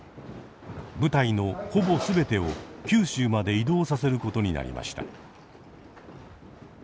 部隊のほぼ全てを九州まで移動させることになりました。